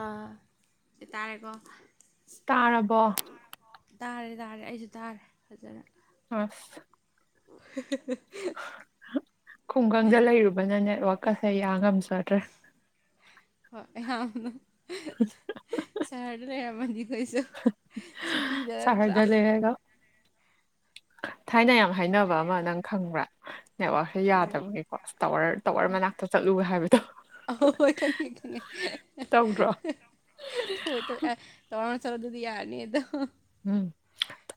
ꯑꯥ ꯇꯥꯥꯔꯦꯀꯣ ꯇꯥꯔꯕꯣ ꯎꯝ ꯇꯥꯔꯦ ꯇꯥꯔꯦ ꯑꯩꯖꯨ ꯇꯥꯔꯦ ꯐꯖꯅ ꯍꯥꯜꯐ [unintelligible] ꯈꯨꯡꯒꯪꯗ ꯂꯩꯔꯨꯕꯅꯅꯦ ꯋꯥꯛꯈꯜꯁꯦ ꯌꯥ ꯉꯝꯖꯗ꯭ꯔꯦ ꯍꯣꯏ ꯌꯥꯝꯅ [unintelligible] ꯁꯍꯔꯗ ꯂꯩꯔꯝꯃꯗꯤ ꯑꯈꯣꯏꯁꯨ ꯁꯍꯔꯗ ꯂꯩꯔꯒ ꯊꯥꯏꯅ ꯌꯥꯝ ꯍꯥꯏꯅꯕ ꯑꯃ ꯅꯪ ꯈꯪꯕ꯭ꯔꯥ ꯅꯦꯠꯋꯥꯛꯁꯦ ꯌꯥꯗꯕꯒꯤꯀꯣ ꯇꯋꯥꯔ ꯇꯋꯥꯔ ꯃꯅꯥꯛꯇ ꯆꯠꯂꯨꯒ ꯍꯥꯏꯕꯗꯣ ꯑꯍꯣꯏ ꯍꯣꯏ ꯈꯪꯉꯦ ꯈꯪꯉꯦ ꯇꯧꯗ꯭ꯔꯣ [unintelligible] ꯇꯋꯥꯥꯔ ꯃꯅꯥꯛ ꯆꯠꯂꯣ ꯑꯗꯨꯗꯤ ꯌꯥꯔꯅꯦꯗꯣ [unintelligible] ꯎꯝ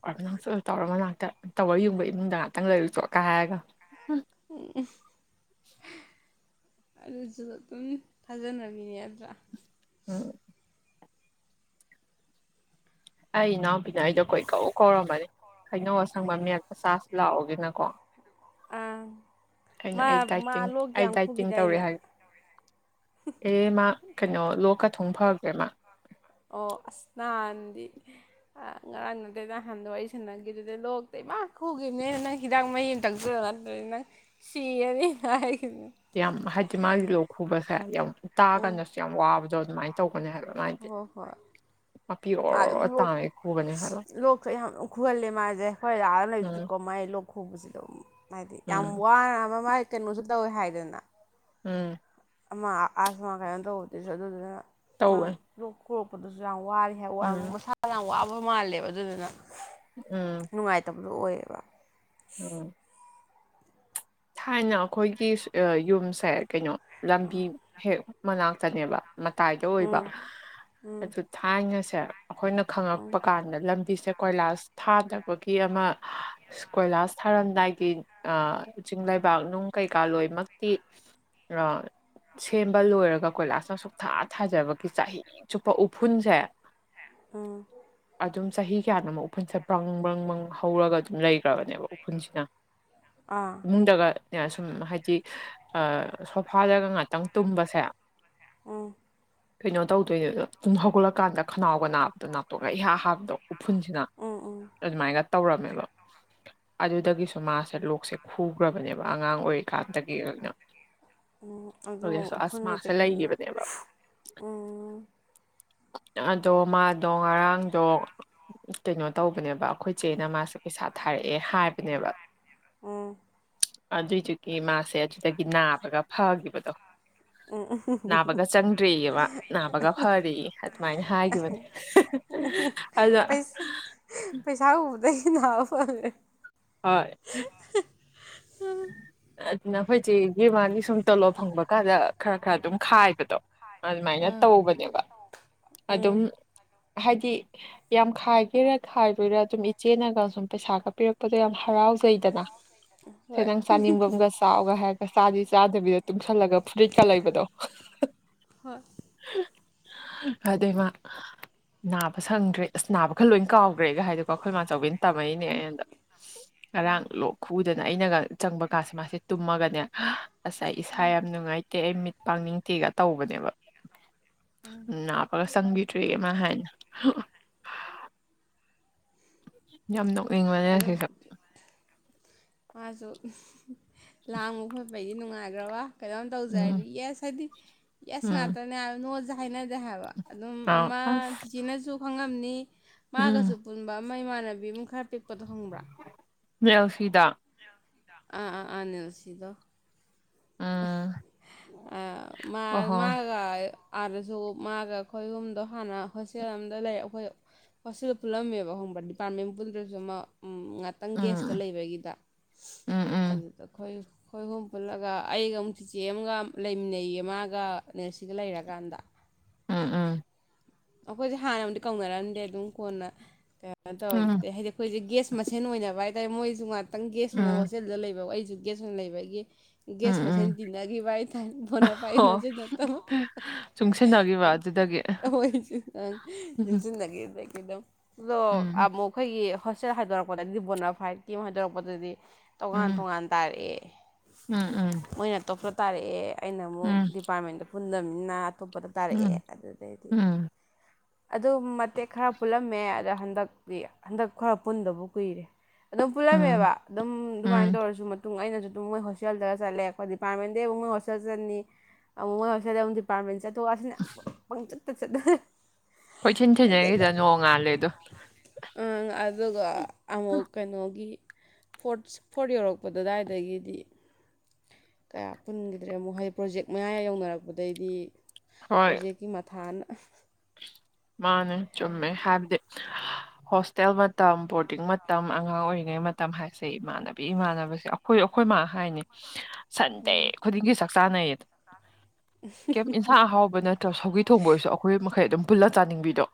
ꯇꯋꯥꯔ ꯃꯅꯥꯛ ꯆꯠꯂꯨ ꯇꯋꯥꯔ ꯃꯅꯥꯛꯇ ꯇꯋꯥꯔ ꯌꯨꯡꯕ ꯏꯃꯨꯡꯗ ꯉꯥꯛꯇꯪ ꯂꯩꯔꯨꯆꯣ ꯀꯥꯏ ꯍꯥꯏꯔꯒ ꯍꯨꯝ [unintelligible] ꯑꯗꯨꯖꯨ ꯑꯗꯨꯝ ꯊꯥꯖꯅꯕꯤꯅꯦ ꯅꯠꯇ꯭ꯔ ꯎꯝ ꯑꯩ ꯏꯅꯥꯎꯄꯤꯅ ꯑꯩꯗꯣ ꯀꯣꯏꯀꯧ ꯀꯧꯔꯝꯃꯅꯤ ꯍꯩꯅꯧ ꯑꯁꯪꯕ ꯃꯦꯠꯄ ꯆꯥꯁꯤ ꯂꯥꯛꯑꯣꯒꯦꯅꯀꯣ ꯑꯥ ꯑꯩꯅ ꯃꯥ ꯑꯩ ꯃꯥ ꯗꯥꯏꯇꯤꯡ ꯂꯣꯛꯇ ꯑꯩ ꯌꯥꯝ ꯗꯥꯏꯇꯤꯡ ꯇꯧꯔꯤ ꯈꯨꯈꯤꯗꯥꯏꯅꯦ ꯍꯥꯏ ꯑꯦ ꯃꯥ ꯀꯩꯅꯣ ꯂꯣꯛꯀ ꯊꯨꯡ ꯐꯒ꯭ꯔꯦ ꯃꯥ ꯑꯣ ꯑꯁ ꯅꯍꯥꯟꯗꯤ ꯉꯔꯥꯡ ꯅꯠꯇꯦ ꯅꯍꯥꯟꯗꯣ ꯋꯥꯔꯤ ꯁꯥꯟꯅꯒꯤꯗꯨꯗ ꯂꯣꯛꯁꯦ ꯏꯃꯥ ꯈꯨꯒꯤꯝꯅꯦ ꯅꯪ ꯍꯤꯗꯥꯛ ꯃꯍꯤ ꯑꯝꯇꯪ [unintelligible] ꯅꯪ ꯁꯤꯔꯅꯤ ꯍꯥꯏꯒꯤꯝꯅꯦ ꯌꯥꯝ ꯍꯥꯏꯗꯤ ꯃꯥꯒꯤ ꯂꯣꯛ ꯈꯨꯕꯁꯦ ꯌꯥꯝ ꯇꯥ ꯎꯝ ꯀꯥꯟꯗꯁꯨ ꯌꯥꯝ ꯋꯥꯕꯗꯣ ꯑꯗꯨꯝꯃꯥꯏꯅ ꯇꯧꯕꯅꯦ ꯍꯥꯏꯕ ꯃꯥꯏꯗꯤ ꯍꯣꯏ ꯍꯣꯏ ꯃꯄꯤ ꯃꯥ ꯑꯗꯨꯝ ꯑꯣꯔ ꯂꯣꯛ ꯇꯥꯉꯩ ꯈꯨꯕꯅꯦ ꯍꯥꯏꯕ [unintelligible] ꯌꯥꯝ ꯈꯨꯒꯜꯂꯦ ꯃꯥꯖꯦ ꯍꫭꯏ ꯂꯥꯛꯑ ꯎꯝ ꯂꯩꯕꯖꯨꯀꯣ ꯃꯥꯏ ꯂꯣꯛ ꯈꯨꯕꯖꯤ ꯑꯗꯨꯝ ꯍꯥꯏꯗꯤ ꯌꯥꯝ ꯎꯝ ꯋꯥꯅ ꯑꯃ ꯃꯥꯒꯤ ꯀꯩꯅꯣꯖꯨ ꯇꯧꯋꯦ ꯍꯥꯏꯗꯅ ꯎꯝ ꯑꯃ ꯑꯥꯁꯃ ꯀꯩꯅꯣ ꯇꯧꯕꯗꯨꯖꯨ ꯑꯗꯨꯗꯨꯅ ꯃꯥ ꯇꯧꯋꯦ ꯂꯣꯛ ꯈꯨꯔꯛꯄꯗꯨꯁꯨ ꯌꯥꯝ ꯋꯥꯔꯤ ꯌꯥꯝ [unintelligible] ꯎꯝ ꯃꯁꯥ ꯌꯥꯝ ꯋꯥꯕ ꯃꯥꯜꯂꯦꯕ ꯑꯗꯨꯗꯨꯅ ꯎꯝ ꯅꯨꯡꯉꯥꯏꯇꯕꯗꯣ ꯑꯣꯏꯌꯦꯕ ꯎꯝ ꯊꯥꯏꯅ ꯑꯈꯣꯏꯒꯤ ꯑ ꯌꯨꯝꯁꯦ ꯀꯩꯅꯣ ꯂꯝꯕꯤ ꯍꯦꯛ ꯃꯅꯥꯛꯇꯅꯦꯕ ꯃꯇꯥꯏꯗ ꯑꯣꯏꯕ ꯎꯝ ꯎꯝ ꯑꯗꯨ ꯊꯥꯏꯅꯁꯦ ꯑꯈꯣꯏꯅ ꯈꯪꯉꯛꯄ ꯎꯝ ꯀꯥꯟꯗ ꯂꯝꯕꯤꯁꯦ ꯀꯣꯏꯂꯥꯁ ꯊꯥꯗꯕꯒꯤ ꯑꯃ ꯀꯣꯏꯂꯥꯁ ꯊꯥꯔꯝꯗꯥꯏꯒꯤ ꯑ ꯆꯤꯡꯂꯩꯕꯥꯛ ꯅꯨꯡ ꯀꯩꯀꯥ ꯂꯣꯏꯃꯛꯇꯤ [unintelligible] ꯁꯦꯝꯕ ꯂꯣꯏꯔꯒ ꯀꯣꯏꯂꯥꯁꯅ ꯁꯨꯛꯊꯥ ꯊꯥꯗꯕꯒꯤ ꯆꯍꯤ ꯆꯨꯞꯄ ꯎꯐꯨꯟꯖꯦ ꯎꯝ ꯑꯗꯨꯝ ꯆꯍꯤ ꯀꯌꯥꯅꯣꯃ ꯎꯐꯨꯟꯖꯦ ꯕ꯭ꯔꯪ ꯕ꯭ꯔꯪ ꯕꯪ ꯍꯧꯔꯒ ꯑꯗꯨꯝ ꯂꯩꯒ꯭ꯔꯕꯅꯦꯕ ꯎꯐꯨꯟꯁꯤꯅ ꯑꯥ ꯏꯃꯨꯡꯗꯒꯅꯦ ꯁꯨꯝ ꯍꯥꯏꯗꯤ ꯑ ꯁꯣꯐꯥꯗꯒ ꯉꯥꯛꯇꯪ ꯇꯨꯝꯕꯁꯦ [unintelligible] ꯀꯩꯅꯣ ꯇꯧꯗꯣꯏꯅꯦ ꯑꯗꯣ ꯇꯨꯝ ꯍꯧꯒꯠꯂꯀꯥꯟꯗ ꯈꯟꯅꯥꯎꯒ ꯅꯥꯕꯗꯣ ꯅꯥꯇꯣꯟꯒ ꯏꯍꯥ ꯍꯥꯕꯗꯣ ꯎꯐꯨꯟꯁꯤꯅ ꯎꯝ ꯎꯝ ꯑꯗꯨꯃꯥꯏꯒ ꯇꯧꯔꯝꯃꯦꯕ ꯑꯗꯨꯗꯒꯤꯁꯨ ꯃꯥꯁꯦ ꯂꯣꯛꯁꯦ ꯈꯨꯈ꯭ꯔꯕꯅꯦꯕ ꯑꯉꯥꯡ ꯑꯣꯏꯔꯤꯀꯥꯟꯗꯒꯤ ꯑꯣꯏꯅ ꯎꯝ ꯑꯗꯨꯒ ꯑꯣꯂꯦꯁ ꯎꯐꯨꯜ ꯑꯁꯃꯥꯁꯦ ꯀꯩꯗꯨꯗꯅ ꯂꯩꯒꯤꯕꯅꯦꯕ ꯎꯝ ꯑꯗꯣ ꯃꯥꯗꯣ ꯉꯔꯥꯡꯗꯣ ꯀꯩꯅꯣ ꯇꯧꯕꯅꯦꯕ ꯑꯩꯈꯣꯏ ꯆꯦꯅ ꯃꯥꯁꯦ ꯄꯩꯁꯥ ꯊꯥꯔꯛꯑꯦ ꯍꯥꯏꯕꯅꯦꯕ ꯎꯝ ꯑꯗꯨꯏꯗꯨꯒꯤ ꯃꯥꯁꯦ ꯑꯗꯨꯗꯒꯤ ꯅꯥꯕꯒ ꯐꯒꯤꯕꯗꯣ [unintelligible] ꯃꯥ ꯅꯥꯕꯒ ꯐꯔꯤ ꯑꯗꯨꯃꯥꯏꯅ ꯍꯥꯏꯈꯤꯕꯅꯦ ꯑꯗ ꯄꯩꯁꯥ ꯄꯩꯁꯥ ꯎꯕꯗꯩꯒꯤ ꯅꯥꯕ ꯐꯒ꯭ꯔꯦ ꯍꯣꯏ ꯑꯗꯨꯅ ꯑꯩꯈꯣꯏꯆꯦꯒꯤ ꯃꯥꯅꯤ ꯁꯨꯝ ꯇꯣꯂꯣꯞ ꯐꯪꯕ ꯀꯥꯟꯗ ꯈꯔ ꯈꯔ ꯑꯗꯨꯝ ꯈꯥꯏꯕꯗꯣ ꯑꯗꯨꯃꯥꯏꯅ ꯑꯥ ꯇꯧꯕꯅꯦꯕ ꯑꯗꯨꯝ ꯎꯝ ꯍꯥꯏꯗꯤ ꯌꯥꯝ ꯈꯥꯏꯒꯦꯔ ꯈꯥꯏꯔꯣꯏꯔ ꯑꯗꯨꯝ ꯏꯆꯦꯅꯒ ꯁꯨꯝ ꯄꯩꯁꯥꯒ ꯄꯤꯔꯛꯄꯗꯣ ꯌꯥꯝ ꯍꯔꯥꯎꯖꯩꯗꯅ [inaudible] ꯁꯦ ꯅꯪ ꯆꯥꯅꯤꯡꯕꯝꯒ ꯆꯥꯎꯒ ꯍꯥꯏꯔꯒ ꯆꯥꯗꯤ ꯆꯥꯗꯕꯤꯗ ꯇꯨꯡꯁꯜꯂꯒ ꯐꯨꯔꯤꯠꯀ ꯂꯩꯕꯗꯣ [unintelligible] ꯍꯣꯏ ꯑꯗꯨꯏꯃꯥ ꯅꯥꯕ ꯁꯪꯗ꯭ꯔꯦ ꯑꯁ ꯅꯥꯕ ꯈꯥ ꯂꯣꯏꯟ ꯀꯥꯎꯒ꯭ꯔꯦꯒ ꯍꯥꯏꯗꯤꯀꯣ ꯑꯩꯈꯣꯏ ꯃꯥꯆꯧꯕꯤꯅ ꯇꯝꯃꯛꯏꯅꯦ ꯑꯩꯉꯣꯟꯗ ꯉꯔꯥꯡ ꯂꯣꯛ ꯈꯨꯗꯅ ꯑꯩꯅꯒ ꯆꯪꯕ ꯀꯥꯟꯁꯤ ꯃꯥꯁꯦ ꯇꯨꯝꯃꯒꯅꯦ ꯑꯁ ꯑꯩ ꯏꯁꯥ ꯌꯥꯝ ꯅꯨꯡꯉꯥꯏꯇꯦ ꯑꯩ ꯃꯤꯠ ꯄꯥꯡꯅꯤꯡꯇꯦꯒ ꯇꯧꯕꯅꯦꯕ ꯅꯥꯕꯒ ꯆꯪꯕꯤꯗ꯭ꯔꯦꯌꯦ ꯃꯥ ꯍꯥꯏꯅꯤ ꯌꯥꯝ ꯅꯣꯛꯅꯤꯡꯕꯅꯦ ꯑꯁꯤꯁꯨ ꯃꯥꯖꯨ ꯂꯥꯡꯕ ꯈꯣꯠꯄꯩꯗꯤ ꯅꯨꯡꯉꯥꯏꯒ꯭ꯔꯥꯕ ꯀꯩꯅꯣꯝ ꯇꯧꯖꯦ ꯎꯝ ꯍꯥꯏꯔꯗꯤ ꯌꯦꯁ ꯍꯥꯏꯗꯤ ꯌꯦꯁ ꯎꯝ ꯉꯥꯛꯇꯅꯦ ꯍꯥꯏꯕ ꯅꯣꯖꯦ ꯍꯥꯏꯅꯗꯦ ꯍꯥꯏꯕ ꯑꯗꯨꯝ ꯑꯥꯎ ꯑꯃ ꯑꯁ ꯆꯤꯆꯦꯅꯁꯨ ꯈꯪꯉꯝꯅꯤ ꯎꯝ ꯃꯥꯒꯁꯨ ꯄꯨꯟꯕ ꯑꯃ ꯏꯃꯥꯟꯅꯕꯤ ꯑꯃ ꯈꯔ ꯄꯤꯛꯄꯗꯣ ꯈꯪꯕ꯭ꯔꯥ ꯅꯦꯜꯁꯤꯗꯣ ꯑꯥ ꯑꯥ ꯑꯥ ꯅꯦꯜꯁꯤꯗꯣ ꯎꯝ ꯑ ꯃꯥ ꯑꯣꯍꯣ ꯃꯥꯒ ꯑꯥꯗꯁꯨ ꯃꯥꯒ ꯑꯩꯈꯣꯏ ꯑꯍꯨꯝꯗꯣ ꯍꯥꯟꯅ ꯍꯣꯁꯇꯦꯜ ꯑꯝꯗ ꯂꯩ ꯑꯈꯣꯏ ꯍꯣꯁꯇꯦꯜ ꯄꯨꯜꯂꯝꯃꯦꯕ ꯈꯪꯕ꯭ꯔꯥ ꯗꯤꯄꯥꯔꯠꯃꯦꯟ ꯄꯨꯟꯗ꯭ꯔꯁꯨ ꯃꯥ ꯎꯝ ꯉꯥꯛꯇꯪ ꯒꯦꯁꯇ ꯎꯝ ꯂꯩꯕꯒꯤꯗ ꯎꯝ ꯎꯝ ꯑꯗꯨꯗ ꯈꯣꯏ ꯈꯣꯏ ꯍꯨꯝ ꯄꯨꯜꯂꯒ ꯑꯩꯒ ꯑꯃꯨꯛ ꯆꯤꯆꯦ ꯑꯃꯒ ꯂꯩꯃꯤꯟꯅꯩ ꯃꯥꯒ ꯅꯦꯜꯁꯤꯒ ꯂꯩꯔꯀꯥꯟꯗ ꯑꯥ ꯑꯥ ꯑꯈꯣꯏꯁꯦ ꯍꯥꯟꯅ ꯑꯝꯗꯤ ꯀꯧꯅꯔꯝꯗꯦ ꯑꯗꯨꯝ ꯀꯣꯟꯅ ꯇ ꯇꯧ ꯎꯝ ꯔꯝꯕꯗꯩ ꯍꯥꯏꯗꯤ ꯑꯩꯈꯣꯏꯁꯦ ꯒꯦꯁ ꯃꯁꯦꯟ ꯑꯣꯏꯅꯕ ꯍꯥꯏꯇꯥꯔꯦ ꯃꯣꯏꯁꯨ ꯉꯥꯛꯇꯪ ꯒꯦꯁ ꯑꯣꯏꯅ ꯎꯝ ꯍꯣꯁꯇꯦꯜꯗ ꯂꯩꯕ ꯑꯩꯁꯨ ꯒꯦꯁ ꯑꯣꯏꯅ ꯂꯩꯕꯒꯤ ꯎꯝ ꯒꯦꯁ ꯃꯁꯦꯟ ꯎꯝ ꯇꯤꯟꯅꯈꯤꯕ ꯍꯥꯏꯇꯥꯔꯦ ꯕꯣꯅꯐꯥꯏꯅ ꯍꯣ ꯃꯁꯦꯟ ꯅꯠꯇꯕ ꯆꯨꯡꯁꯤꯟꯅꯈꯤꯕ ꯑꯗꯨꯗꯒꯤ ꯑ ꯍꯣꯏ ꯑꯪ ꯎꯝ ꯅꯤꯡꯁꯤꯟꯅꯈꯤꯕꯒꯤ ꯑꯗꯨꯝ ꯕ꯭ꯂꯣꯛ ꯎꯝ ꯑꯃꯨꯛꯈꯣꯏꯒꯤ ꯍꯣꯁ ꯆꯦ ꯍꯥꯏꯗꯣꯔꯛ ꯄꯗꯒꯤ ꯕꯣꯅꯐꯥꯏꯗꯀꯤ ꯍꯥꯏꯗꯣꯔꯛꯄꯗꯗꯤ ꯇꯣꯉꯥꯟ ꯎꯝ ꯇꯣꯉꯥꯟ ꯇꯥꯔꯛꯑꯦ ꯎꯝ ꯎꯝ ꯃꯣꯏꯅ ꯑꯇꯣꯞꯄ ꯇꯥꯔꯛꯑꯦ ꯑꯩꯅ ꯑꯃꯨꯛ ꯎꯝ ꯗꯤꯄꯥꯔꯠꯃꯦꯟꯗꯣ ꯄꯨꯟꯗꯝꯅꯤꯅ ꯑꯇꯣꯞꯄꯗ ꯇꯥꯔꯛꯑꯦ ꯎꯝ ꯑꯗꯨꯗꯩꯗꯤ ꯎꯝ ꯑꯗꯨ ꯃꯇꯦꯛ ꯈꯔ ꯄꯨꯜꯂꯝꯃꯦ ꯑꯗ ꯍꯟꯗꯛꯇꯤ ꯍꯟꯗꯛ ꯈꯔ ꯄꯨꯟꯗꯕꯨ ꯀꯨꯏꯔꯦ ꯑꯗꯨꯝ ꯄꯨꯜꯂꯝꯃꯦꯕ ꯎꯝ ꯑꯗꯨꯝ ꯑꯗꯨꯃꯥꯏꯅ ꯎꯝ ꯇꯧꯔꯁꯨ ꯃꯇꯨꯡ ꯑꯩꯅꯁꯨ ꯗꯨꯝ ꯃꯣꯏ ꯍꯣꯁꯇꯦꯜꯗ ꯆꯠꯂꯦ ꯀꯣ ꯗꯤꯄꯥꯔꯃꯦꯟꯗꯩ ꯃꯣꯏ ꯍꯣꯁꯇꯦꯜ ꯆꯠꯅꯤ ꯑꯃꯨꯛ ꯃꯣꯏ ꯍꯣꯁꯇꯦꯜꯗꯩ ꯑꯃꯨꯛ ꯗꯤꯞ ꯄꯥꯔꯠꯃꯦꯟ ꯆꯠꯊꯣꯛ ꯑꯁꯤꯟ ꯄꯪꯆꯠꯇ ꯆꯠꯅ ꯀꯣꯏꯁꯟ ꯊꯤꯅꯩꯉꯩꯗ ꯅꯣꯡꯉꯥꯜꯂꯦꯗꯣ ꯑꯪ ꯑꯗꯨꯒ ꯑꯃꯨꯛ ꯀꯩꯅꯣꯒꯤ ꯐꯣꯔꯠꯁ ꯐꯣꯔ ꯌꯧꯔꯛꯄ ꯑꯗꯨꯗꯥꯏꯗꯒꯤꯗꯤ ꯀꯌꯥ ꯄꯨꯟꯈꯤꯗ꯭ꯔꯦ ꯑꯃꯨꯛ ꯍꯣꯏ ꯄ꯭ꯔꯣꯖꯦꯛ ꯃꯌꯥ ꯌꯧꯅꯔꯛꯄꯗꯩꯗꯤ ꯍꯣꯏ ꯄ꯭ꯔꯣꯖꯦꯛꯀꯤ ꯃꯊꯥꯅ ꯃꯥꯅꯦ ꯆꯨꯝꯃꯦ ꯍꯥꯏꯕꯗꯤ ꯍꯣꯁꯇꯦꯜ ꯃꯇꯝ ꯕꯣꯔꯗꯤꯡ ꯃꯇꯝ ꯑꯉꯥꯡ ꯑꯣꯏꯔꯤꯉꯩ ꯃꯇꯝ ꯍꯥꯏꯁꯦ ꯏꯃꯥꯟꯅꯕꯤ ꯏꯃꯥꯟꯅꯕꯁꯦ ꯈꯣꯏ ꯑꯩꯈꯣꯏ ꯃꯥ ꯍꯥꯏꯅꯤ ꯁꯟꯗꯦ ꯎꯝ ꯈꯨꯗꯤꯡꯒꯤ ꯆꯥꯛ ꯆꯥꯅꯩꯌꯦꯗ ꯀꯩꯝ ꯏꯟꯁꯥꯡ ꯑꯍꯥꯎꯕꯅ ꯇ꯭ꯔ ꯁꯧꯒꯔꯤ ꯊꯣꯡꯕ ꯑꯣꯏꯔꯁꯨ ꯑꯩꯈꯣꯏ ꯃꯈꯩ ꯑꯗꯨꯝ ꯄꯨꯜꯂ ꯆꯥꯅꯤꯡꯕꯤꯗꯣ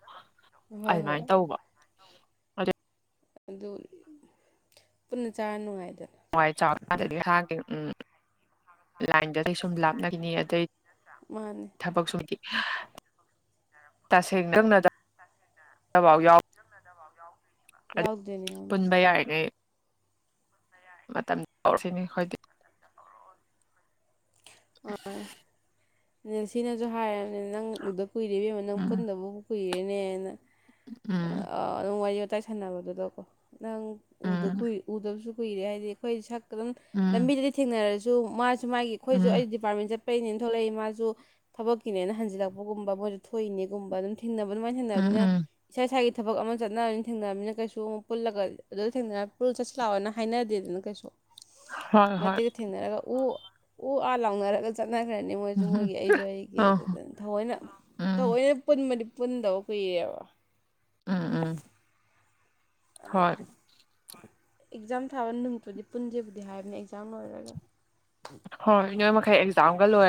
ꯍꯣꯏ ꯍꯣꯏ ꯑꯗꯨꯃꯥꯏꯅ ꯇꯧꯕ ꯑꯗꯨ ꯑꯗꯨ ꯄꯨꯟꯅ ꯆꯥꯔ ꯅꯨꯏꯉꯥꯏꯗ ꯍꯌꯦꯡꯋꯥꯏ ꯆꯥꯎꯔ [unintelligible] ꯎꯝ ꯂꯥꯏꯟꯗꯗꯤ ꯁꯨꯝ ꯂꯥꯞꯅꯈꯤꯅꯤ ꯑꯗꯩ ꯃꯥꯟꯅꯦ ꯊꯕꯛꯁꯨ ꯑꯩꯗꯤ ꯇꯁꯦꯡ ꯗꯪꯅ [unintelligible] ꯌꯥꯎ [unintelligible] ꯌꯥꯎꯗꯣꯏꯅꯦ ꯌꯥꯎꯗꯦ [unintelligible] ꯃꯇꯝ [unintelligible] ꯈꯣꯏꯗꯤ ꯍꯣꯏ ꯅꯦꯁꯤꯅꯁꯨ ꯍꯥꯏꯔ ꯅꯪ ꯎꯗ ꯀꯨꯏꯔꯦ ꯏꯕꯦꯝꯃ ꯅꯪ ꯎꯝ ꯄꯨꯟꯗꯕꯕꯨ ꯀꯨꯏꯔꯦꯅꯦꯅ ꯎꯝ ꯑꯥ ꯅꯪ ꯋꯥꯔꯤ ꯇꯥꯏꯁꯥꯟꯅꯕꯗꯨꯗꯀꯣ ꯅꯪ ꯎꯗ ꯎꯝ ꯎꯗꯕꯁꯨ ꯀꯨꯏꯔꯦ ꯍꯥꯏꯗꯤ ꯑꯩꯈꯣꯏ ꯁꯛ ꯑꯗꯨꯝ ꯎꯝ ꯂꯝꯕꯤꯗꯗꯤ ꯊꯦꯡꯅꯔꯁꯨ ꯃꯥꯁꯨ ꯃꯥꯒꯤ ꯑꯩꯈꯣꯏꯁꯨ ꯎꯝ ꯑꯩ ꯗꯤꯄꯥꯔꯠꯃꯦꯟ ꯆꯠꯄꯩꯅꯦꯟ ꯊꯣꯛꯂꯛꯏ ꯃꯥꯁꯨ ꯁꯨ ꯊꯕꯛꯀꯤꯅꯦꯅ ꯍꯟꯖꯤꯜꯂꯛꯄꯒꯨꯝꯕ ꯃꯣꯏꯁꯨ ꯊꯣꯛꯏꯅꯦꯒꯨꯝꯕ ꯑꯗꯨꯝ ꯊꯦꯡꯅꯕ ꯑꯗꯨꯃꯥꯏꯅ ꯎꯝ ꯊꯦꯡꯅꯕꯅꯤꯅ ꯎꯝ ꯏꯁꯥ ꯏꯁꯥꯒꯤ ꯊꯕꯛ ꯑꯃ ꯆꯠꯅꯕꯅꯤꯅ ꯊꯦꯡꯅꯔꯕꯅꯤꯅ ꯀꯩꯁꯨ ꯑꯃꯨꯛ ꯄꯨꯜꯂꯒ ꯑꯗꯨ ꯊꯦꯡꯅꯔ ꯄꯨꯜ ꯂꯥꯛꯑꯣꯅ ꯍꯥꯏꯅꯗꯦꯗꯅ ꯀꯩꯁꯨ ꯍꯣꯏ ꯍꯣꯏ ꯃꯇꯦꯛꯒ ꯊꯦꯡꯅꯔꯒ ꯎ ꯎ ꯑꯥ ꯂꯥꯎꯅꯔꯒ ꯆꯠꯅꯈ꯭ꯔꯅꯤ ꯑꯗꯨ ꯎꯝ ꯑ ꯃꯣꯏꯒꯤ ꯑꯩꯁꯨ ꯑꯩꯒꯤ ꯑꯗꯨꯅ ꯊꯑꯣꯏꯅ ꯎꯝ ꯊꯑꯣꯏꯅ ꯄꯨꯟꯕꯗꯤ ꯄꯨꯟꯗꯕ ꯀꯨꯏꯔꯦꯕ ꯎꯝ ꯎꯝ ꯑꯗꯨ ꯍꯣꯏ ꯑꯦꯛꯖꯥꯝ ꯊꯥꯕ ꯅꯨꯃꯤꯠꯄꯨꯗꯤ ꯄꯨꯟꯁꯦꯕꯨꯗꯤ ꯍꯥꯏꯕꯅꯦ ꯑꯦꯛꯖꯥꯝ ꯂꯣꯏꯔꯒ ꯍꯣꯏ ꯅꯣꯏ ꯃꯈꯩ ꯑꯦꯛꯖꯥꯝꯒ ꯂꯣꯏ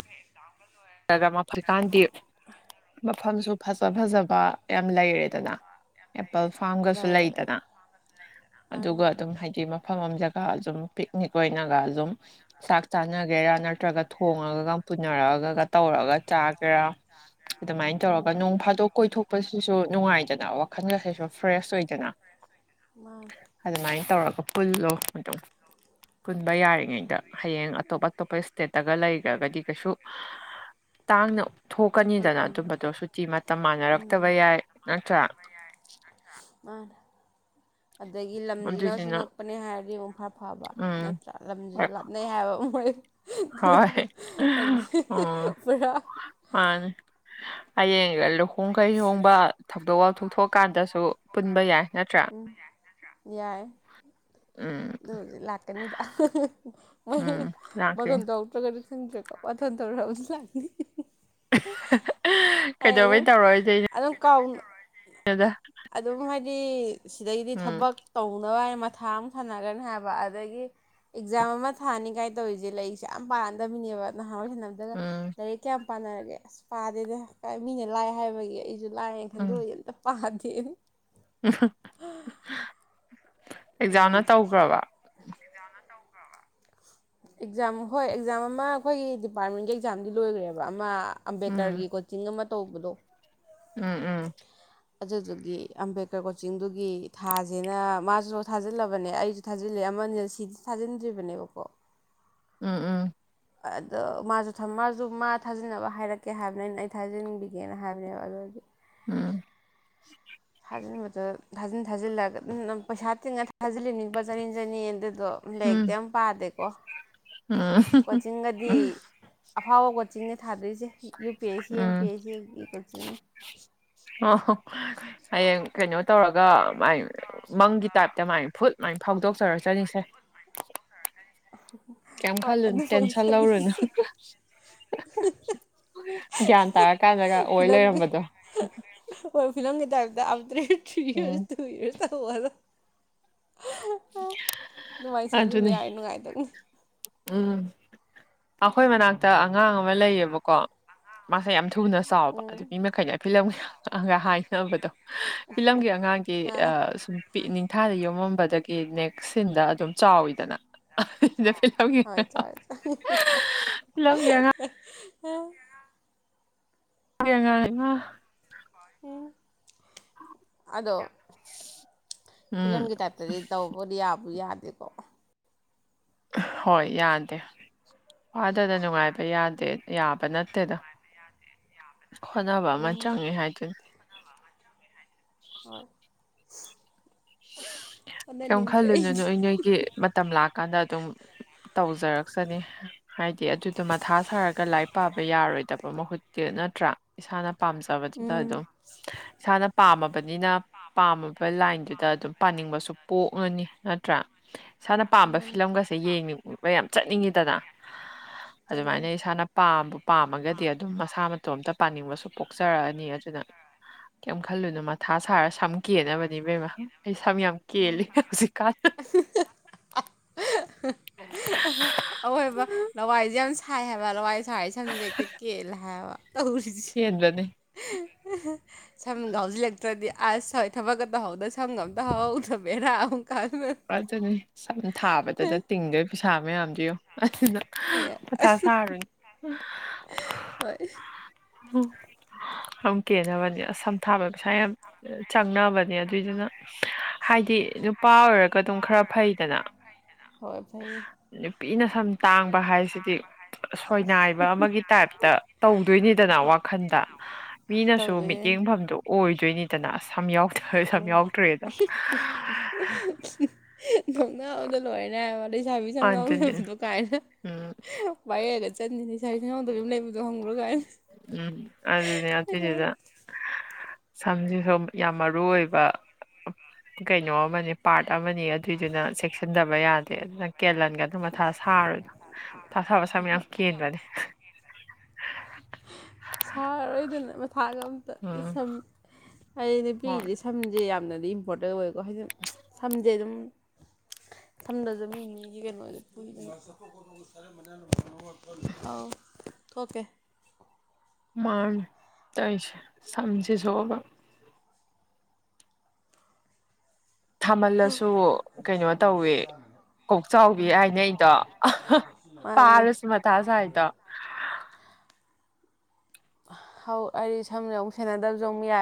ꯅꯔ ꯃꯐ꯭ꯔꯤꯀꯥꯟꯗꯤ ꯃꯐꯝꯁꯨ ꯐꯖ ꯐꯖꯕ ꯌꯥꯝ ꯂꯩꯔꯦꯗꯅ ꯑꯦꯄꯜ ꯐꯥꯔꯝꯒꯁꯨ ꯂꯩꯔꯦ ꯂꯩꯗꯅ ꯂꯩꯔꯦ ꯑꯪ ꯑꯗꯨꯒ ꯑꯗꯨꯝ ꯍꯥꯏꯗꯤ ꯃꯐꯝ ꯑꯃ ꯖꯛ ꯒ ꯁꯨꯝ ꯄꯤꯛꯅꯤꯛ ꯑꯣꯏꯅꯒ ꯁꯨꯝ ꯆꯥꯛ ꯆꯥꯅꯒꯦꯔꯥ ꯅꯠꯇ꯭ꯔꯒ ꯊꯣꯡꯉꯒ ꯄꯨꯅꯔꯛꯑꯒ ꯇꯧꯔꯒ ꯆꯥꯒꯦꯔꯥ ꯑꯗꯨꯃꯥꯏꯅ ꯎꯝ ꯇꯧꯔꯒ ꯅꯣꯡ ꯐꯥꯗꯣꯛ ꯀꯣꯏꯊꯣꯛꯄꯁꯤꯁꯨ ꯅꯨꯡꯉꯥꯏꯗꯅ ꯋꯥꯈꯜꯒꯁꯤꯁꯨ ꯐ꯭ꯔꯦꯁ ꯑꯣꯏꯗꯅ ꯃꯥꯅꯦ ꯑꯗꯨꯃꯥꯏ ꯇꯧꯔꯒ ꯄꯨꯜꯂꯣ ꯑꯗꯨꯝ ꯄꯨꯟꯕ ꯌꯥꯔꯤꯉꯩꯗ ꯍꯌꯦꯡ ꯑꯇꯣꯞ ꯑꯇꯣꯞꯄ ꯁ꯭ꯇꯦꯠꯇꯒ ꯂꯩꯈ꯭ꯔꯒꯗꯤ ꯀꯩꯁꯨ ꯇꯥꯡꯅ ꯐꯪ ꯊꯣꯛꯀꯅꯤꯗꯅ ꯑꯗꯨꯝꯕꯗꯣ ꯁꯨꯇꯤ ꯃꯇꯝ ꯃꯥꯟꯅꯔꯛꯇꯕ ꯌꯥꯏ ꯅꯠꯇ꯭ꯔꯥ ꯃꯥꯅꯦ ꯑꯗꯒꯤ ꯂꯝꯖꯤꯅꯁꯨ ꯑꯗꯨꯏꯗꯨꯅ ꯅꯛꯄꯅꯦ ꯍꯥꯏꯔꯗꯤ ꯑꯃꯨꯛ ꯈꯔ ꯐꯕ ꯎꯝ ꯅꯠꯇ꯭ꯔꯥ ꯂꯝꯖꯤꯖꯨ ꯍꯣꯏ ꯂꯥꯞꯅꯩ ꯍꯥꯏꯕ ꯃꯣꯏ [unintelligible] ꯍꯤ ꯍꯤ ꯄꯨꯔꯥ ꯃꯥꯟꯅꯦ ꯍꯌꯦꯡ ꯂꯨꯍꯣꯡ ꯀꯩꯍꯣꯡꯕ ꯊꯧꯗꯣꯛ ꯋꯥꯊꯣꯛ ꯊꯣꯛꯀꯥꯟꯗꯁꯨ ꯄꯨꯟꯕ ꯌꯥꯏ ꯅꯠꯇ꯭ꯔꯥ ꯎꯨ ꯌꯥꯏ [inaudible] ꯑꯗꯨꯕꯨꯗꯤ ꯂꯥꯛꯀꯅꯤꯗꯥ ꯍꯥ ꯍꯥ ꯃꯣꯏ ꯎꯝ ꯕꯥꯇꯣꯟ ꯂꯥꯛꯈꯤꯅꯤ ꯇꯧ ꯄ꯭ꯔꯒ ꯈꯟꯗ꯭ꯔꯦꯀꯣ ꯕꯥꯇꯣꯟ ꯇꯧꯔꯒꯒꯁꯨ ꯂꯥꯛꯈꯤꯅꯤ ꯑꯩ ꯀꯩꯗꯧꯕꯩ ꯑꯗꯨꯝ ꯇꯧꯔꯣꯏꯗꯣꯏꯅꯣꯗ ꯑꯗꯨꯝ ꯀꯥꯎꯅ ꯑꯗꯨꯝ ꯍꯥꯏꯗꯤ ꯁꯤꯗꯒꯤꯗꯤ ꯎꯝ ꯊꯕꯛ ꯇꯧꯅꯕ ꯍꯥꯏ ꯃꯊꯥꯃꯨꯛ ꯁꯥꯟꯅꯈꯔꯥꯅꯤ ꯍꯥꯏꯕ ꯑꯗꯒꯤ ꯑꯦꯛꯖꯥꯝ ꯑꯃ ꯊꯥꯅꯤꯉꯥꯏ ꯇꯧꯔꯤꯁꯦ ꯂꯩꯔꯤꯛꯁꯦ ꯌꯥꯝ ꯄꯥꯗꯕꯤꯅꯦꯕ ꯅꯍꯥꯟꯋꯥꯏ ꯁꯅꯕ ꯑꯗꯨꯒ ꯎꯝ ꯂꯥꯏꯔꯤꯛ ꯀꯌꯥꯝ ꯄꯥꯅꯔꯒꯦ ꯑꯁ ꯄꯥꯗꯦꯅꯦ ꯃꯤꯅ ꯂꯥꯏ ꯍꯥꯏꯕꯒꯤ ꯑꯩꯁꯨ ꯂꯥꯏ ꯌꯦꯡꯍꯟꯗꯣꯏ ꯑꯝꯇ ꯄꯥꯗꯦ ꯑꯍꯥ [unintelligible] ꯂꯩꯔꯤꯁꯤꯁꯨ ꯑꯦꯛꯖꯝꯅꯥ ꯇꯧꯒꯔꯕꯥ ꯑꯦꯛꯖꯥꯝ ꯍꯣꯏ ꯑꯦꯛꯖꯥꯝ ꯑꯃ ꯑꯩꯈꯣꯏꯒꯤ ꯗꯤꯄꯥꯔꯠꯃꯦꯟꯒꯤ ꯑꯦꯛꯖꯥꯝꯗꯤ ꯂꯣꯏꯈꯒ꯭ꯔꯦꯕ ꯑꯃ ꯎꯝ ꯑꯝꯕꯦꯀꯔꯒꯤ ꯀꯣꯆꯤꯡ ꯑꯃ ꯇꯧꯕꯗꯣ ꯎꯝ ꯎꯝ ꯑꯗꯨꯗꯨꯒꯤ ꯑꯝꯕꯦꯀꯔ ꯀꯣꯆꯤꯡꯗꯨꯒꯤ ꯊꯥꯖꯦꯅ ꯃꯥꯁꯨ ꯊꯥꯖꯤꯜꯂꯕꯅꯦ ꯑꯩꯁꯨ ꯊꯥꯖꯤꯜꯂꯦ ꯑꯃꯅ ꯖꯦꯁꯤꯗꯤ ꯊꯥꯖꯤꯟꯗ꯭ꯔꯤꯕꯅꯦꯕꯀꯣ ꯎꯝ ꯎꯝ ꯑꯗꯣ ꯃꯥꯁꯨ ꯊꯝ ꯃꯥꯁꯨ ꯃꯥ ꯊꯥꯖꯤꯟꯅꯕ ꯍꯥꯏꯔꯛꯀꯦ ꯍꯥꯏꯕꯅꯦ ꯑꯩꯅ ꯑꯩ ꯊꯥꯖꯟꯕꯤ ꯒꯦꯅ ꯍꯥꯏꯕꯅꯦꯕ ꯑꯗꯨ ꯑꯣꯏꯖꯨ ꯎꯝ ꯊꯥꯖꯤꯟꯕꯗꯣ ꯊꯥꯖꯤꯟ ꯊꯥꯖꯤꯜꯂꯒ ꯑꯗꯨꯝ ꯄꯩꯁꯥ ꯇꯤꯡꯉꯥ ꯊꯥꯖꯤꯜꯂꯤꯅꯤ ꯂꯨꯄꯥ ꯆꯅꯤ ꯆꯅꯤ ꯑꯗꯨꯗꯣ ꯎꯝ ꯂꯥꯏꯔꯤꯛꯇꯤ ꯑꯝ ꯄꯥꯗꯦꯀꯣ ꯎꯝ ꯀꯣꯆꯤꯡꯒꯗꯤ ꯑꯐꯥꯎꯕ ꯀꯣꯆꯤꯡꯅꯦ ꯊꯥꯗꯣꯏꯁꯦ U P S C M P ꯎꯝ ꯑꯦꯁ ꯁꯤꯒꯤ ꯀꯣꯆꯤꯡꯅꯦ ꯑꯣ ꯍꯣ ꯍꯌꯦꯡ ꯀꯩꯅꯣ ꯇꯧꯔꯒ ꯃꯥꯏ ꯃꯪꯒꯤ ꯇꯥꯏꯞꯇ ꯃꯥꯏ ꯐꯨꯠ ꯃꯥꯏ ꯐꯥꯎꯗꯣꯛꯆꯔꯛꯆꯥꯅꯤ ꯁꯦ ꯍꯨꯝ ꯍꯨꯝ ꯀꯩꯝ ꯈꯜꯂꯨꯅꯨ ꯇꯦꯟꯁꯟ ꯂꯧꯔꯨꯅꯨ [unintelligible] ꯒ꯭ꯌꯥꯟ ꯇꯥꯔꯛ ꯐꯤꯂꯝꯒꯤ ꯍꯣꯏ ꯐꯤꯂꯝꯒꯤ ꯇꯥꯏꯞꯇ [unintelligible] [unintelligible] ꯑꯥ ꯎꯝ ꯅꯨꯡꯉꯥꯏ ꯁꯦꯝꯖꯤꯟꯕꯥ ꯑꯗꯨꯅꯤ ꯌꯥꯔꯗꯤ ꯅꯨꯡꯉꯥꯏꯗꯧꯅꯤ ꯎꯝ ꯑꯩꯈꯣꯏ ꯃꯅꯥꯛꯇ ꯑꯉꯥꯡ ꯑꯃ ꯂꯩꯌꯦꯕꯀꯣ ꯃꯥꯁꯦ ꯌꯥꯝ ꯊꯨꯅ ꯆꯥꯎꯕ ꯎꯝ ꯑꯗꯨꯒꯤ ꯃꯤ ꯃꯈꯩꯅ ꯑꯩ ꯐꯤꯂꯝ [unintelligible] ꯍꯥꯏꯅꯕꯗꯣ [unintelligible] ꯐꯤꯂꯝꯒꯤ ꯑꯉꯥꯡꯒꯤ ꯑꯥ ꯁꯨꯝ ꯄꯤꯛ ꯅꯤꯡꯊꯥꯗ ꯌꯣꯝꯃꯝꯕꯗꯒꯤ ꯅꯦꯛꯁ ꯁꯤꯟꯗ ꯑꯗꯨꯝ ꯆꯥꯎꯋꯤꯗꯅ ꯐꯤꯂꯝ ꯍꯣꯏ ꯆꯥꯔꯦ [unintelligible] ꯐꯤꯂꯝꯒꯤ ꯑꯉꯥꯡ ꯎꯝ ꯐꯤꯂꯝꯒꯤ ꯑꯉꯥꯡ ꯏꯃꯥ ꯎꯝ ꯑꯗꯣ ꯐꯤꯂꯝ ꯎꯝ ꯒꯤ ꯇꯥꯏꯞꯇꯗꯤ ꯇꯧꯕꯨꯗꯤ ꯌꯥꯕꯨꯗꯤ ꯌꯥꯗꯦꯀꯣ ꯍꯣꯏ ꯌꯥꯗꯦ ꯑꯗꯨꯅ ꯅꯨꯡꯉꯥꯏꯕ ꯌꯥꯗꯦ ꯌꯥꯕ ꯅꯠꯇꯦꯗ ꯍꯣꯠꯅꯕ ꯑꯃ ꯎꯝ ꯆꯪꯉꯦ ꯍꯥꯏꯗꯨꯅꯤ ꯍꯣꯏ ꯀꯩꯝ ꯍꯣꯠꯅꯅꯤꯡꯗ꯭ꯔꯦ ꯈꯜꯂꯨꯅꯨ ꯑꯩꯗꯤ ꯅꯣꯏ ꯅꯣꯏꯒꯤ ꯃ ꯃꯇꯝ ꯂꯥꯛꯑꯀꯥꯟꯗ ꯑꯗꯨꯝ ꯇꯧꯖꯔꯛꯆꯅꯤ ꯍꯥꯏꯗꯤ ꯑꯗꯨꯗꯣ ꯃꯊꯥ ꯁꯥꯔꯒ ꯂꯥꯏꯔꯤꯛ ꯄꯥꯕ ꯌꯥꯔꯣꯏꯗꯕ ꯃꯍꯨꯠꯇꯤ ꯅꯠꯇ꯭ꯔꯥ ꯏꯁꯥꯅ ꯄꯥꯝꯖꯕꯗꯨꯗ ꯎꯝ ꯑꯗꯨꯝ ꯏꯁꯥꯅ ꯄꯥꯝꯃꯕꯅꯤꯅ ꯄꯥꯝꯃꯕ ꯂꯥꯏꯟꯗꯨ ꯗ ꯑꯗꯨꯝ ꯄꯥꯅꯤꯡꯕꯁꯨ ꯄꯣꯛꯑꯅꯤ ꯅꯠꯇ꯭ꯔ ꯏꯁꯥꯅ ꯄꯥꯝꯕ ꯃꯥꯅꯤ ꯐꯤꯂꯝꯒꯁꯦ ꯌꯦꯡꯅꯤꯡ ꯃ ꯌꯥꯝ ꯆꯠꯅꯤꯡꯉꯤꯗꯅ ꯑꯗꯨꯝꯃꯥꯏꯅ ꯆꯠꯅꯤꯡ ꯏꯁꯥꯅ ꯄꯥꯝꯕꯨ ꯄꯥꯝꯃꯒꯗꯤ ꯑꯗꯨꯝ ꯃꯁꯥ ꯃꯇꯣꯝꯇ ꯄꯥꯅꯤꯡꯕꯁꯨ ꯄꯣꯛꯆꯔꯛꯑꯅꯤ ꯑꯗꯨꯅ ꯀꯩꯝ ꯈꯜꯂꯨꯅꯨ ꯃꯊꯥ ꯁꯥꯔ ꯁꯝ ꯀꯦꯟꯅꯕꯅꯤ ꯏꯕꯦꯝꯃ ꯑꯩ ꯁꯝ ꯌꯥꯝ ꯀꯦꯜꯂꯤ ꯃꯥꯅꯤ ꯍꯧꯖꯤꯛꯀꯥꯟ [unintelligible] [unintelligible] ꯑꯋꯣꯏꯕ ꯂꯋꯥꯏꯖꯦ ꯌꯥꯝ ꯊꯥꯏ ꯍꯥꯏꯕ ꯂꯋꯥꯏ ꯁꯥꯏ ꯁꯝꯖꯦ ꯍꯦꯛꯇ ꯀꯦꯜꯂꯦ ꯍꯥꯏꯕ ꯇꯧꯔꯤ [unintelligible] ꯀꯦꯟꯕꯅꯦ [unintelligible] ꯁꯝꯒ ꯍꯧꯖꯤꯜꯂꯛꯇ꯭ꯔꯗꯤ ꯑꯁ ꯍꯣꯏ ꯊꯕꯛꯀ ꯇꯧꯍꯧꯗ ꯁꯝꯒ ꯑꯝꯇ ꯍꯍꯧꯗꯕꯤ ꯕꯦꯔꯥ ꯑꯝ ꯀꯥ [unintelligible] ꯑꯗꯨꯅꯤ ꯁꯝ ꯊꯥꯕꯗꯗ ꯇꯤꯡꯗꯣꯏ ꯄꯩꯁꯥ ꯃꯌꯥꯝꯗꯨ ꯌꯦꯡꯎ ꯑꯗꯨꯅ ꯑꯦ ꯃꯊꯥ ꯑꯁ ꯁꯥꯔꯨꯅꯨ ꯍꯣꯏ ꯎꯝ ꯁꯝ ꯀꯦꯟꯅꯕꯅꯤ ꯑꯁ ꯁꯝ ꯊꯥꯕ ꯄꯩꯁꯥ ꯌꯥꯝ ꯆꯪꯅꯕ ꯅꯤ ꯑꯗꯨꯏꯗꯨꯅ ꯍꯥꯏꯗꯤ ꯅꯨꯄꯥ ꯑꯣꯏꯔ ꯑꯗꯨꯝ ꯈꯔ ꯐꯩꯗꯅ ꯍꯣꯏ ꯐꯩ ꯅꯨꯄꯤꯅ ꯁꯝ ꯇꯥꯡꯕ ꯍꯥꯏꯁꯤꯗꯤ ꯁꯣꯏꯅꯥꯏꯕ ꯍꯣ ꯑꯃꯒꯤ ꯇꯥꯏꯞꯇ ꯇꯧꯗꯣꯏꯅꯤ ꯅ ꯋꯥꯈꯟꯗ ꯃꯤꯅꯁꯨ ꯇꯧꯗꯣꯏꯅꯦ ꯃꯤꯠꯌꯦꯡ ꯕꯝꯗꫭ ꯑꯣꯏꯗꯣꯏꯅꯤꯗꯅ ꯁꯝ ꯌꯥꯎ ꯁꯝ ꯎꯝ ꯌꯥꯎꯗ꯭ꯔꯦꯅ [unintelligible] ꯅꯣꯛꯅꯕꯅ ꯂꯣꯏꯔꯅꯤ ꯍꯥꯏꯕ ꯂꯩꯁꯥꯕꯤ ꯁꯝ ꯑꯗꯨꯅꯤ ꯌꯥꯎꯗꯕꯗꯣ ꯀꯥꯏꯅ ꯎꯝ [unintelligible] ꯚꯥꯏꯔꯦꯜꯒ ꯆꯠꯅꯤ ꯂꯩꯁꯥꯕꯤ ꯁꯝ ꯌꯥꯎꯗꯕꯤ ꯑꯃ ꯂꯩꯞꯗꯣ ꯈꯪꯕ꯭ꯔꫭ ꯒꯥꯏꯅ ꯎꯝ ꯑꯗꯨꯅꯦ ꯑꯗꯨꯗꯨꯅ ꯁꯝꯁꯤꯁꯨ ꯌꯥꯝ ꯃꯔꯨ ꯑꯣꯏꯕ ꯀꯩꯅꯣ ꯑꯃꯅꯤ ꯄꯥꯔꯠ ꯑꯃꯅꯤ ꯑꯗꯨꯏꯗꯨꯅ ꯆꯦꯛꯁꯟꯗꯕ ꯌꯥꯗꯦ ꯑꯗꯨꯅ ꯀꯦꯜꯂꯟꯒꯅꯨ ꯃꯊꯥ ꯁꯥꯔꯨꯅꯨ ꯃꯊꯥ ꯁꯥꯕ ꯁꯝ ꯌꯥꯝ ꯀꯦꯟꯕꯅꯤ ꯁꯥꯔꯔꯣꯏꯗꯅ ꯃꯊꯥꯒ ꯑꯝꯇ ꯎꯝ ꯁꯝ ꯍꯥꯏꯗꯤ ꯍꯣꯏ ꯅꯨꯄꯤꯒꯤꯗꯤ ꯁꯝꯖꯦ ꯌꯥꯝꯅꯗꯤ ꯏꯝꯄꯣꯔꯇꯦꯟ ꯑꯣꯏꯀꯣ ꯍꯥꯏꯗꯤ ꯁꯝꯖꯦ ꯑꯗꯨꯝ ꯁꯝꯗꯖꯨ ꯃꯤ ꯃꯤꯒꯤ ꯀꯩꯅꫭꯖꯦ ꯄꯨꯏ [unintelligible] [inaudible] ꯑꯧ ꯊꯣꯛꯀꯦ ꯃꯥꯅꯤ ꯇꯧꯋꯤꯁꯦ ꯁꯝꯁꯤꯁꯨꯕ ꯊꯥꯃꯜꯂꯁꯨ ꯀꯩꯅꯣ ꯇꯧꯋꯤ ꯀꯣꯛꯆꯥꯎꯕꯤ ꯍꯥꯏꯅꯩꯗꯣ [unintelligible] ꯃꯥꯅꯦ ꯄꯥꯔꯁꯨ ꯃꯊꯥ ꯁꯥꯏꯗꯣ ꯍꯧ ꯑꯩ ꯁꯝꯁꯨ ꯑꯃꯨꯛ ꯁꯦꯟꯅꯗꯞꯖꯨ ꯑꯃꯨꯛ ꯌꯥꯏ